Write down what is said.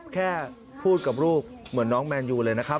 แค่พูดกับลูกเหมือนน้องแมนยูเลยนะครับ